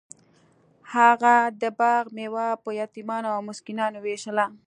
هغه د باغ میوه په یتیمانو او مسکینانو ویشله.